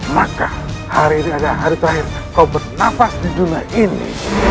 maka hari ini adalah hari terakhir kau bernafas di dunia ini